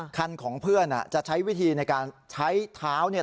คันของเพื่อนจะใช้วิธีในการใช้เท้าเนี่ย